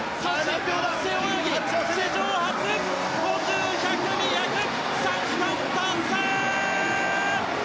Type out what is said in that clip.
背泳ぎ、史上初５０、１００、２００３冠達成！